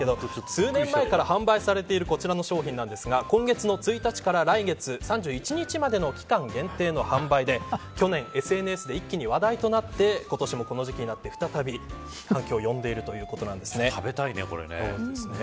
数年前から販売されているこちらの商品なんですが今月の１日から来月３１日までの期間限定の販売で去年ＳＮＳで一気に話題となって今年もこの時期になって再び反響を呼んでいる食べたいね、これね。